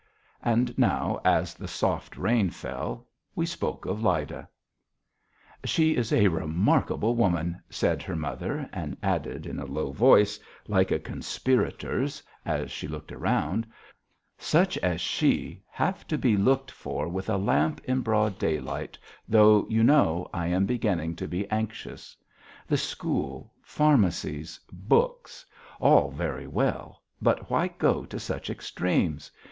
And, now, as the soft rain fell, we spoke of Lyda: "She is a remarkable woman," said her mother, and added in a low voice like a conspirator's as she looked round, "such as she have to be looked for with a lamp in broad daylight, though you know, I am beginning to be anxious. The school, pharmacies, books all very well, but why go to such extremes?